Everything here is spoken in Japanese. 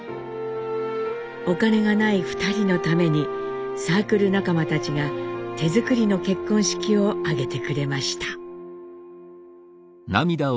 お金がない２人のためにサークル仲間たちが手作りの結婚式を挙げてくれました。